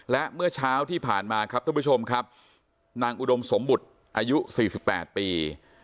และเมื่อเช้าที่ผ่านมาครับท่านผู้ชมครับนางอุดมสมบุตรอายุ๔๘ปี